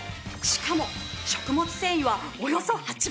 しかも食物繊維はおよそ８倍よ！